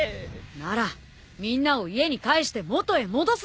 ならみんなを家に帰して元へ戻すんだ！